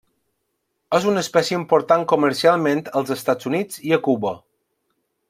És una espècie important comercialment als Estats Units i a Cuba.